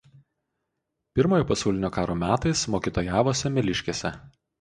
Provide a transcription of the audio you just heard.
Pirmojo pasaulinio karo metais mokytojavo Semeliškėse.